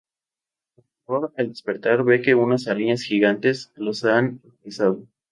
Con horror, al despertar ve que unas Arañas Gigantes los han apresado.